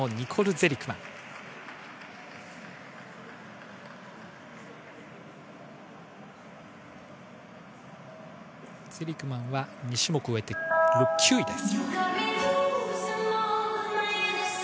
ゼリクマンは２種目終えて９位です。